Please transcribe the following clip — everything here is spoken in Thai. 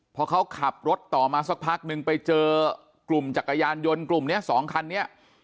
พอเขาขับรถต่อมาสักพักนึงไปเจอกลุ่มจักรยานยนต์กลุ่มนี้สองคันนี้